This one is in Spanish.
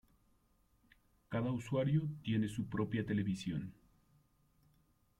Cada usuario tiene su propia televisión.